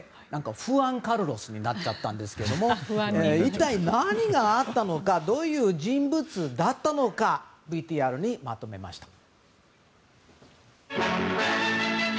不安カルロスになっちゃったんですけども一体何があったのかどういう人物だったのかＶＴＲにまとめました。